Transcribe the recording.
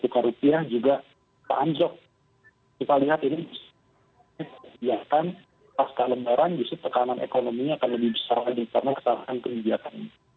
karena kan pas kelemaran tekanan ekonominya akan lebih besar lagi karena kesalahan kebijakannya